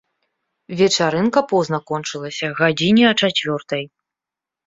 Вечарынка позна кончылася, гадзіне а чацвёртай.